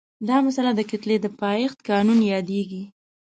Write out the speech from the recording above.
دا مسئله د کتلې د پایښت قانون یادیږي.